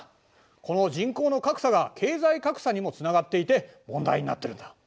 この人口の格差が経済格差にもつながっていて問題になってるんだ。